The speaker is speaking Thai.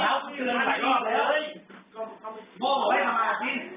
มันมีเกือบอะไรพี่ฟองบ้านนู้นทีว่ามองขาวเจ็บนู้นมันขึ้นมากี่ครั้ง